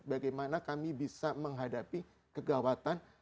bagaimana kami bisa menghadapi kegawatan